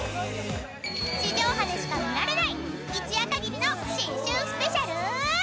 地上波でしか見られない一夜限りの新春スペシャル。